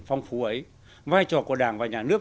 phong phú ấy vai trò của đảng và nhà nước